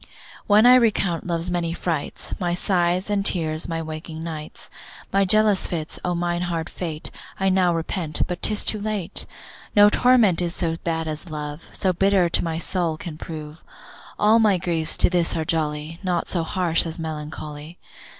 When I recount love's many frights, My sighs and tears, my waking nights, My jealous fits; O mine hard fate I now repent, but 'tis too late. No torment is so bad as love, So bitter to my soul can prove. All my griefs to this are jolly, Naught so harsh as melancholy.